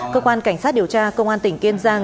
cơ quan cảnh sát điều tra công an tỉnh kiên giang